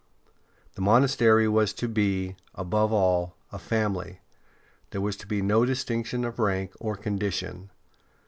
The monastery was to be, above all, a family; there was to be no distinction of rank or condition.